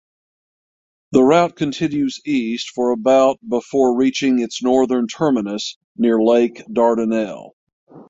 The route continues east for about before reaching its northern terminus near Lake Dardanelle.